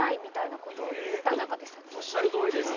おっしゃるとおりです。